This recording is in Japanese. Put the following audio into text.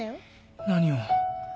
何を。